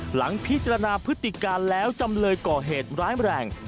หลังพิจารณาพฤติการแล้วจำเลยก่อเหตุร้ายแรง